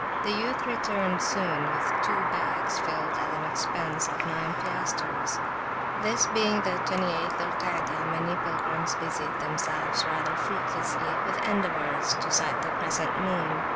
The youth returned soon with two bags filled at an expense of nine piastres. This being the 28th Zul Kaadah, many pilgrims busied themselves [p.71] rather fruitlessly with endeavours to sight the crescent moon.